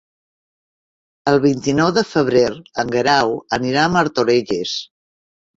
El vint-i-nou de febrer en Guerau anirà a Martorelles.